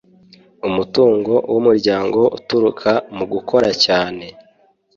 umutungo w’ umuryango uturuka mugukoracyane.